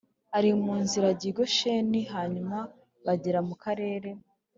Ari mu nzira ajya i gosheni hanyuma bagera mu karere